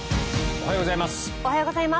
おはようございます。